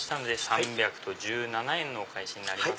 ３１７円のお返しになります。